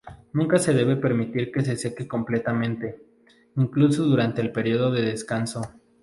Nunca se debe permitir que se seque completamente, incluso durante el período de descanso.